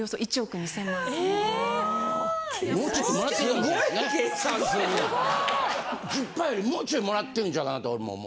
１０パーよりもうちょいもらってるんちゃうかなって俺も思うよ。